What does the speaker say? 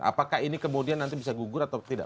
apakah ini kemudian nanti bisa gugur atau tidak